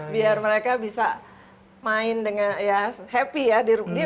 biar mereka bisa main dengan ya happy ya di room dia